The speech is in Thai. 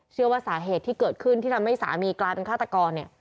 เชื่อว่าสาเหตุที่เกิดขึ้นที่ทำให้สามีกลายเป็นฆาตกรเนี่ย